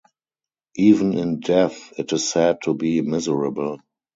Even in death it is sad to be miserable.